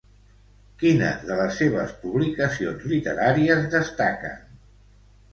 Quines de les seves publicacions literàries destaquen?